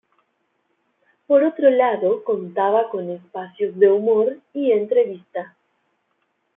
Por otro lado contaba con espacios de humor y entrevista.